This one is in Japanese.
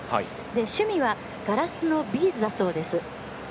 趣味はガラスのビーズだそうです。